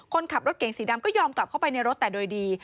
คนขับรถเก่งสีดำก็ยอมกลับเข้าไปในรถแต่โดยดี